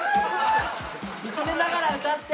見つめながら歌って！